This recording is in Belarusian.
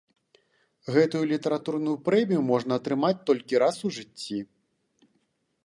Гэтую літаратурную прэмію можна атрымаць толькі раз у жыцці.